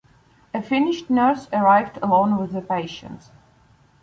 A Finnish nurse arrived along with the patients.